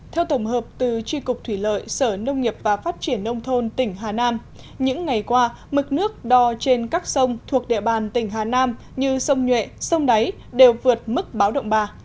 theo tổng hợp từ tri cục thủy lợi sở nông nghiệp và phát triển nông thôn tỉnh hà nam những ngày qua mực nước đo trên các sông thuộc địa bàn tỉnh hà nam như sông nhuệ sông đáy đều vượt mức báo động ba